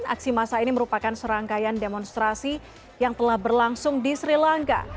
aksi masa ini merupakan serangkaian demonstrasi yang telah berlangsung di sri lanka